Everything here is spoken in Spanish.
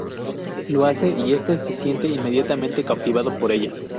Lo hace y este se siente inmediatamente cautivado por ella.